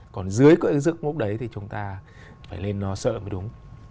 còn dưới cái giấc mốc đấy thì chúng ta phải lên lo sợ mới đúng